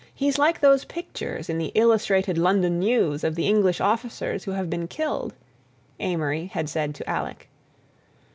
"He's like those pictures in the Illustrated London News of the English officers who have been killed," Amory had said to Alec.